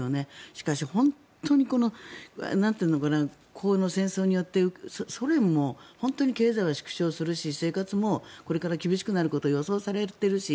しかし本当に、この戦争によってソ連も本当に経済は縮小するし生活もこれから厳しくなることが予想されているし